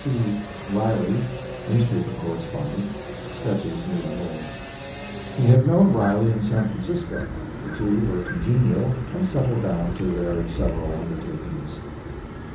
[See Riley, newspaper correspondent. Sketches New and Old.] He had known Riley in San Francisco; the two were congenial, and settled down to their several undertakings.